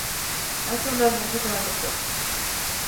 Hace una alianza con el Dr.